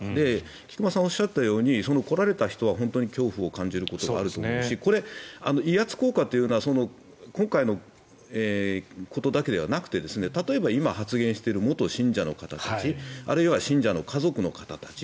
菊間さんがおっしゃったように来られた人は本当に恐怖を感じることがあると思うしこれ、威圧効果というのは今回のことだけではなくて例えば今発言している元信者の方たちあるいは信者の家族の方たち